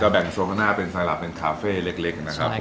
แบ่งโซข้างหน้าเป็นไซลับเป็นคาเฟ่เล็กนะครับ